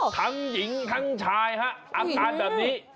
ทางหญิงทางชายอาการอยู่แบบนี้